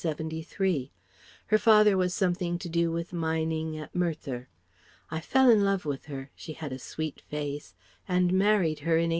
Her father was something to do with mining at Merthyr. I fell in love with her she had a sweet face and married her in 1874.